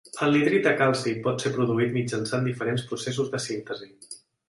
El nitrit de calci pot ser produït mitjançant diferents processos de síntesi.